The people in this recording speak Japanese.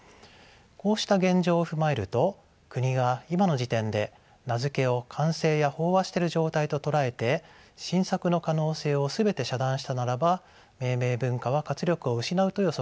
こうした現状を踏まえると国が今の時点で名付けを完成や飽和している状態と捉えて新作の可能性を全て遮断したならば命名文化は活力を失うと予測されます。